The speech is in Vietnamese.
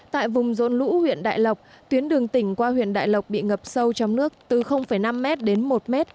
tại vùng rôn lũ huyện đại lộc tuyến đường tỉnh qua huyện đại lộc bị ngập sâu trong nước từ năm m đến một m